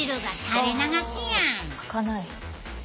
はかない。